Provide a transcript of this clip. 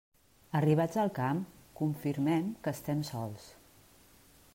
Arribats al camp, confirmem que estem sols.